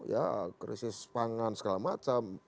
ya krisis pangan segala macam